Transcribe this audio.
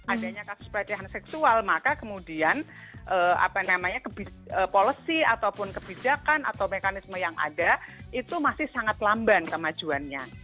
adanya kasus pelecehan seksual maka kemudian policy ataupun kebijakan atau mekanisme yang ada itu masih sangat lamban kemajuannya